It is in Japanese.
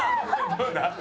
どうだ？